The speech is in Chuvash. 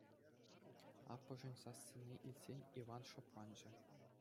Аппӑшӗн сассине илтсен, Иван шӑпланчӗ.